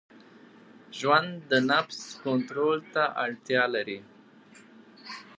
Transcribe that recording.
ژوند د نفس کنټرول ته اړتیا لري.